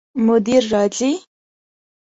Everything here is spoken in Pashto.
مدیر راځي؟